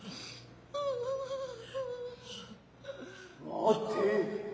・待て。